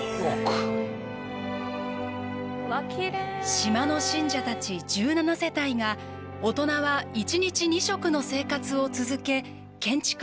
島の信者たち１７世帯が大人は１日２食の生活を続け建築費を捻出しました。